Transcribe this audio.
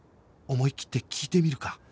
思いきって聞いてみるか